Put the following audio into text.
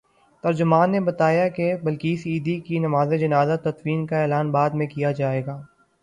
ترجمان نے بتایا کہ بلقیس ایدھی کی نمازجنازہ اورتدفین کا اعلان بعد میں کیا جائے گا۔